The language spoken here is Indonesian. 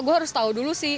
gue harus tahu dulu sih